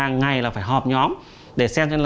hàng ngày phải họp nhóm để xem